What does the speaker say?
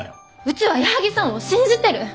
・うちは矢作さんを信じてる。